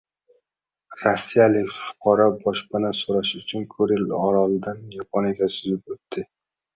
Rossiyalik fuqaro boshpana so‘rash uchun Kuril orolidan Yaponiyaga suzib o‘tdi